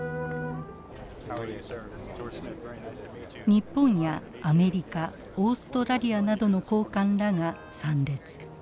日本やアメリカオーストラリアなどの高官らが参列。